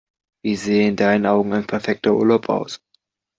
Wie sähe in deinen Augen ein perfekter Urlaub aus?